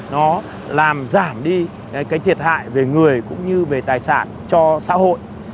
nó làm giảm đi cái thiệt hại về người cũng như về tài sản cho xã hội